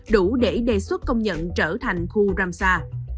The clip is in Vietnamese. đủ để đề xuất công nhận trở thành khu rám xa